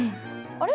あれ？